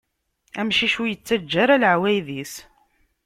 Amcic ur ittaǧǧa ara laɛwayed-is.